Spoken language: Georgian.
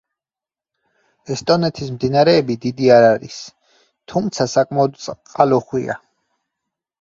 ესტონეთის მდინარეები დიდი არ არის, თუმცა საკმაოდ წყალუხვია.